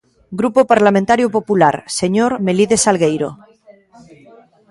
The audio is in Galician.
Grupo Parlamentario Popular, señor Melide Salgueiro.